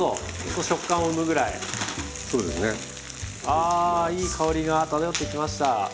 あいい香りが漂ってきました。